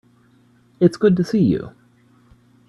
It's good to see you.